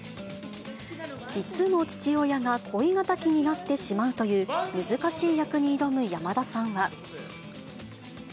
実の父親が恋敵になってしまうという、難しい役に挑む山田さんは。